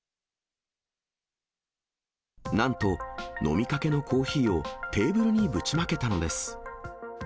なんと、飲みかけのコーヒーをテーブルにぶちまけたのです。